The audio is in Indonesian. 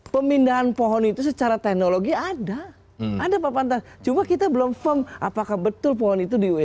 pemindahan pohon itu secara teknologi ada ada pak pantas cuma kita belum firm apakah betul pohon itu di wuhan